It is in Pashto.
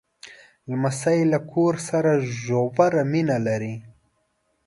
لمسی له کور سره ژوره مینه لري.